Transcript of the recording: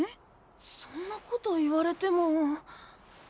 そんなこと言われても。